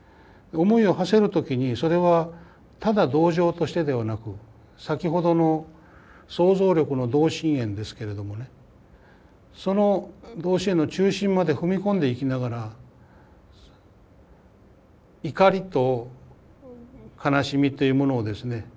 思いをはせる時にそれはただ同情としてではなく先ほどの想像力の同心円ですけれどもねその同心円の中心まで踏み込んでいきながら怒りと悲しみというものをですね